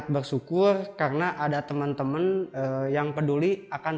bisa kenal jadi bisa kenal banyak orang